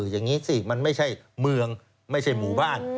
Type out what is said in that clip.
อย่างนี้สิมันไม่ใช่เมืองไม่ใช่หมู่บ้าน